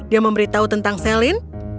dia memberitahu tentang celine